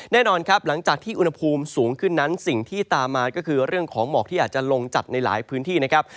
แน่นอนครับหลังจากที่อุณหภูมิสูงขึ้นนั้นสิ่งที่ตามมาก็คือเรื่องของหมอกที่อาจจะลงจัดในหลายพื้นที่นะครับ